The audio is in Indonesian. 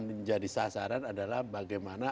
menjadi sasaran adalah bagaimana